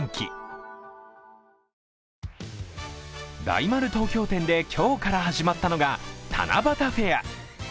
大丸東京店で今日から始まったのが七夕フェア。